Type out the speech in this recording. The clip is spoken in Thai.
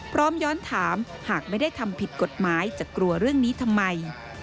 พร้อมย้อนถามหากไม่ได้ทำผิดกฎหมายจะกลัวเรื่องนี้ทำไม